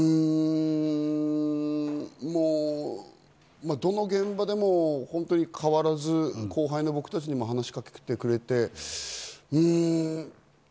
うん、どの現場でもほんとに変わらず、後輩の僕たちにも話し掛けてくれて、うん。